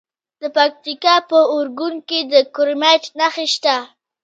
د پکتیکا په ارګون کې د کرومایټ نښې شته.